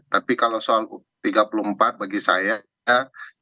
tapi kalau soal tiga puluh empat bagi saya ya